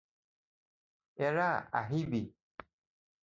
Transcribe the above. এৰা আহিবি